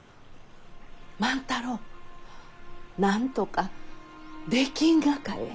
万太郎なんとかできんがかえ？